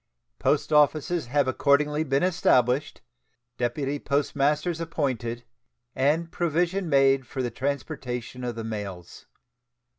Post offices have accordingly been established, deputy postmasters appointed, and provision made for the transportation of the mails.